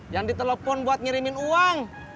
yang ditelepon buat ngirimin uang